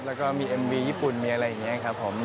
แล้วก็มีเอ็มวีญี่ปุ่นมีอะไรอย่างนี้ครับผม